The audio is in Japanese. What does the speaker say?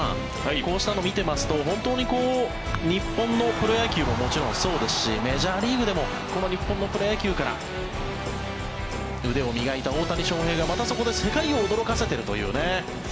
こうしたのを見ていますと本当に日本のプロ野球ももちろんそうですしメジャーリーグでもこの日本のプロ野球から腕を磨いた大谷翔平がまたそこで世界を驚かせているという。